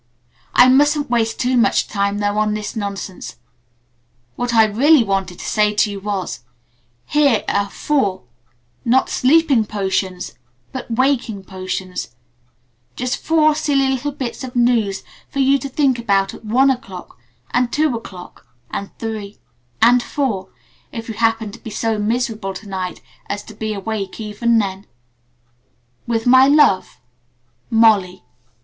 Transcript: "I mustn't waste too much time, though, on this nonsense. What I really wanted to say to you was: Here are four not 'sleeping potions', but waking potions just four silly little bits of news for you to think about at one o'clock, and two, and three and four, if you happen to be so miserable to night as to be awake even then. "With my love, "MOLLY."